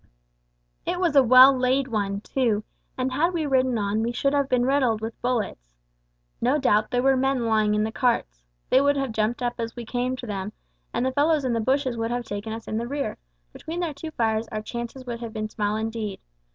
It was a well laid one, too, and had we ridden on we should have been riddled with bullets. No doubt there were men lying in the carts. They would have jumped up as we came up to them, and the fellows in the bushes would have taken us in the rear; between their two fires our chances would have been small indeed.